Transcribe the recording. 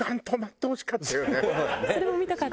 それも見たかった。